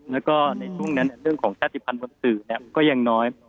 แล้วก็ในช่วงนั้นเรื่องของชาติภัณฑ์บนสื่อก็ยังน้อย